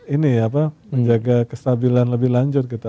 ini apa menjaga kestabilan lebih lanjut kita